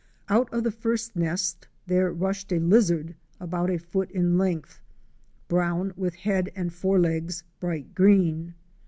Out of the first nest there rushed a lizard about a foot in length, brown, with head and fore legs bright green.